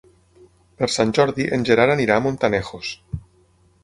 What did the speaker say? Per Sant Jordi en Gerard anirà a Montanejos.